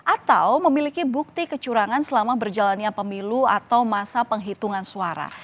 atau memiliki bukti kecurangan selama berjalannya pemilu atau masa penghitungan suara